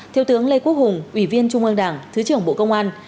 thiếu tướng lê quốc hùng ủy viên trung ương đảng thứ trưởng bộ công an